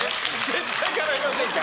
絶対かないませんから。